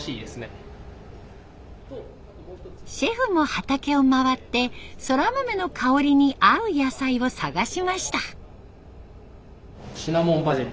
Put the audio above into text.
シェフも畑を回ってソラマメの香りに合う野菜を探しました。